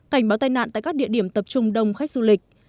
cảnh báo tai nạn tại các địa điểm tập trung đông khách du lịch